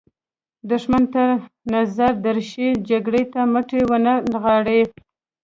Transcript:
دښمن تر نظر درشي جګړې ته مټې ونه نغاړئ.